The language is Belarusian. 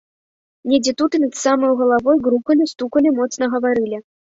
Недзе тут і над самаю галавою грукалі, стукалі, моцна гаварылі.